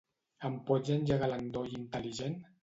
Em pots engegar l'endoll intel·ligent?